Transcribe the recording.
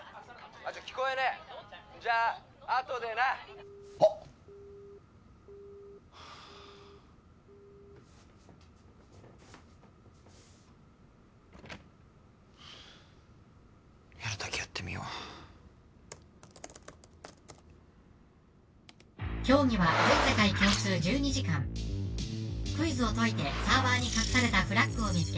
あっちょっ聞こえねえじゃああとでなあっやるだけやってみよう「競技は全世界共通１２時間」「クイズを解いてサーバーに隠されたフラッグを見つけ」